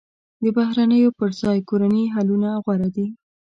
د بهرنیو پر ځای کورني حلونه غوره دي.